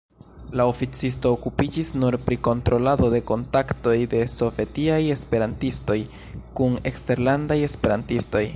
La oficisto okupiĝis nur pri kontrolado de kontaktoj de sovetiaj esperantistoj kun eksterlandaj esperantistoj.